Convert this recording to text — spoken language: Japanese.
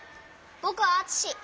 ぼくはあつし。